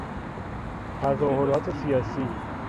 تظاهرات سیاسی